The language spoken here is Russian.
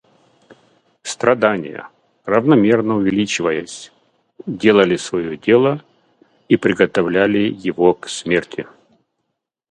Страдания, равномерно увеличиваясь, делали свое дело и приготовляли его к смерти.